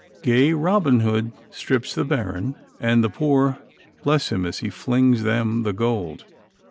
Gay Robin Hood strips the baron, and the poor bless him as he flings them the gold.